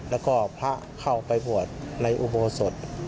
แล้วก็พระเข้าไปบวชในอุโบสถ